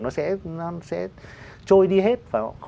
nó sẽ trôi đi hết